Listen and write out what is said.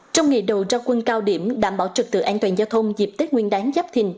trong ngày đầu ra quân cao điểm đảm bảo trực tự an toàn giao thông dịp tết nguyên đáng giáp thình